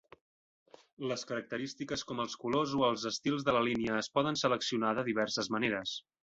Les característiques com els colors o els estils de la línia es poden seleccionar de diverses maneres.